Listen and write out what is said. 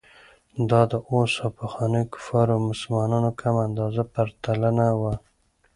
دا د اوس او پخوانیو کفارو او مسلمانانو کمه اندازه پرتلنه وه.